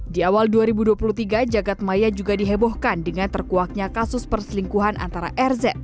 di awal dua ribu dua puluh tiga jagadmaya juga dihebohkan dengan terkuaknya kasus perselingkuhan antara rz